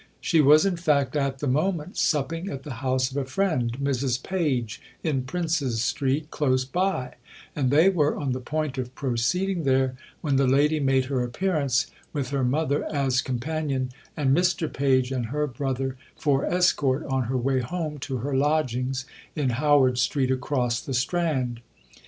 She was, in fact, at the moment supping at the house of a friend, Mrs Page, in Princes Street, close by; and they were on the point of proceeding there when the lady made her appearance, with her mother as companion and Mr Page and her brother for escort, on her way home to her lodgings in Howard Street across the Strand.